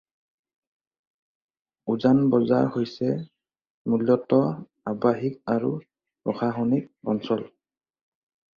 উজান বজাৰ হৈছে মূলতঃ আবাসিক আৰু প্ৰশাসনিক অঞ্চল।